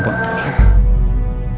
mau diterima pak